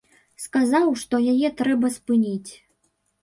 Сказаў, што яе трэба спыніць.